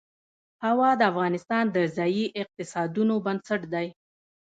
هوا د افغانستان د ځایي اقتصادونو بنسټ دی.